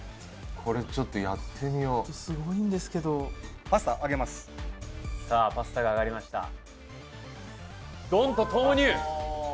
これちょっとやってみようパスタ上げますさあパスタが上がりましたドンと投入